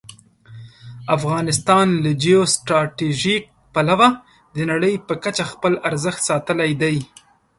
افغانستان له جیو سټراټژيک پلوه د نړۍ په کچه خپل ارزښت ساتلی دی.